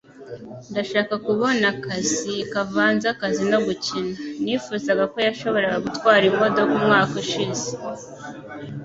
Ndashaka kubona akazi kavanze akazi no gukina. Nifuzaga ko yashoboraga gutwara imodoka umwaka ushize.